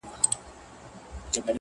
پوهه د انتخاب ځواک زیاتوي